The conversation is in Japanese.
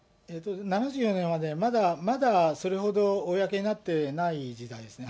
７４年はまだそれほど公になっていない時代ですね。